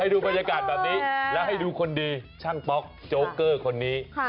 ดูบรรยากาศแบบนี้แล้วให้ดูคนดีช่างป๊อกโจ๊กเกอร์คนนี้